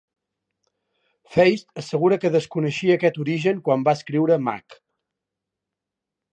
Feist assegura que desconeixia aquest origen quan va escriure "Mag".